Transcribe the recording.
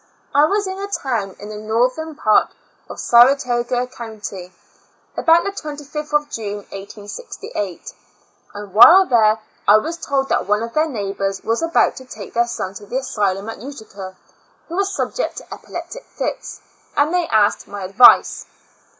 I was in a town in the northern part of Saratoga county about the 25th of June, 1868; and while there I was told that one of their neighbors was about to take their son to the Asylum at Utica, who was sub ject to epileptic fits, and they asked my advice.